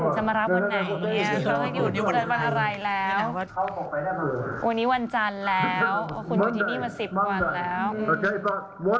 จะมารับวันไหนวันอะไรแล้ววันนี้วันจันทร์แล้วคุณอยู่ที่นี่มาสิบวันแล้ว